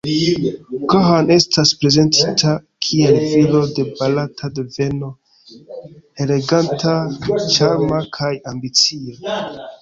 Khan estas prezentita kiel viro de barata deveno, eleganta, ĉarma kaj ambicia.